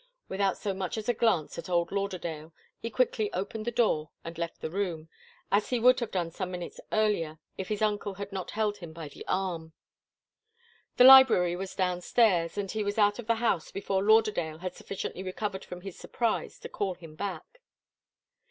Without so much as a glance at old Lauderdale, he quickly opened the door and left the room, as he would have done some minutes earlier if his uncle had not held him by the arm. The library was downstairs, and he was out of the house before Lauderdale had sufficiently recovered from his surprise to call him back.